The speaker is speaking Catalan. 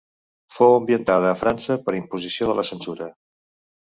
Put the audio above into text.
Fou ambientada a França per imposició de la censura.